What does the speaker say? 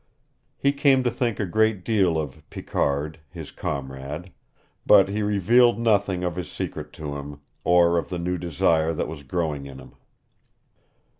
He came to think a great deal of Picard, his comrade. But he revealed nothing of his secret to him, or of the new desire that was growing in him.